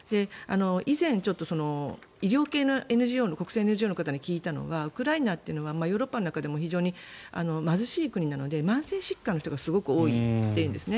以前、医療系の国際ＮＧＯの方に聞いたのはウクライナっていうのはヨーロッパの中でも非常に貧しい国なので慢性疾患の人がすごい多いというんですね。